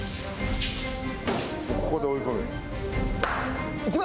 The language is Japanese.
ここで追い込む。